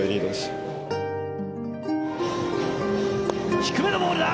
低めのボールだ！